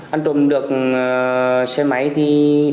anh trộm được xe máy thì